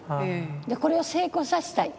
これを成功させたい。